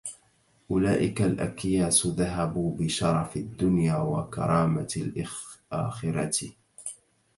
أُولَئِكَ الْأَكْيَاسُ ذَهَبُوا بِشَرَفِ الدُّنْيَا وَكَرَامَةِ الْآخِرَةِ